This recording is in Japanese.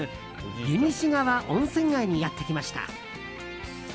湯西川温泉街にやってきました。